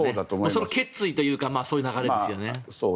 その決意というかそういう流れですよね。